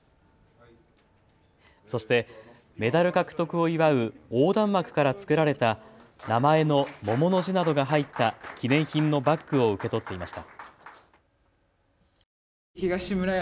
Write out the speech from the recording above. そしてメダル獲得を祝う横断幕から作られた名前の桃の字などが入った記念品のバッグを受け取っていました。